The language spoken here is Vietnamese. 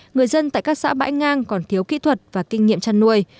người dân tại các xã bãi ngang còn thiếu kỹ thuật và kinh nghiệm chăn nuôi